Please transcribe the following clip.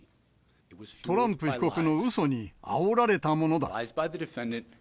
トランプ被告のうそにあおられたものだ。